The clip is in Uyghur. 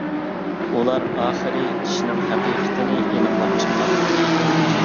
ئۇلار ئاخىرى ئىشنىڭ ھەقىقىتىنى ئېنىقلاپ چىققان.